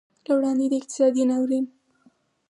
له وړاندې د اقتصادي ناورین